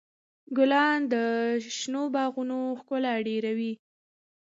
ګلان د شنو باغونو ښکلا ډېروي.